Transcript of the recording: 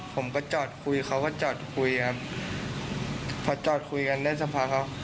ผมก็จอดคุยเขาก็จอดคุยครับพอจอดคุยกันได้สักพักเขา